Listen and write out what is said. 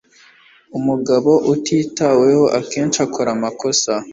Umugabo utitaweho akenshi akora amakosa.